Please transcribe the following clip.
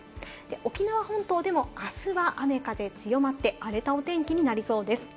沖縄本島でもあすは雨風強まって荒れたお天気になりそうです。